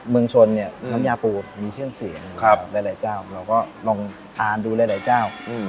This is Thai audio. เมืองชนเนี่ยน้ำยาปูมีชื่อเสียงหลายเจ้าเราก็ลองทานดูหลายเจ้า